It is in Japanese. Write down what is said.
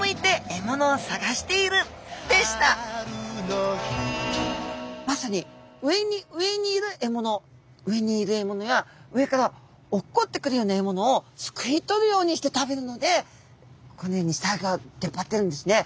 というわけでまさに上に上にいる獲物上にいる獲物や上から落っこってくるような獲物をすくい取るようにして食べるのでこのように下あギョが出っ張ってるんですね。